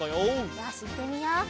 よしいってみよう。